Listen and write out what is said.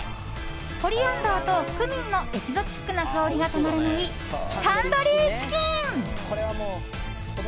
コリアンダーとクミンのエキゾチックな香りがたまらないタンドリーチキン。